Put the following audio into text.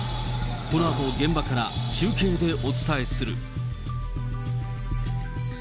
このあと、現場から中継でお伝えする。